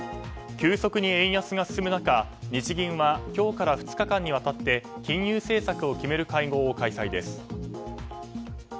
急速に円安が進む中、日銀は今日から２日間にわたって金融政策を決める会合を開催です。